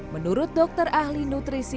menurut dokter ahli nutrisi tan shot yen